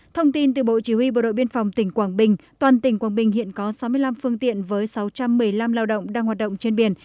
thông tin từ bộ chỉ huy bộ đội biên phòng tỉnh quảng bình toàn tỉnh quảng bình hiện có sáu mươi năm phương tiện với sáu trăm một mươi năm lao động đang hoạt động trên biển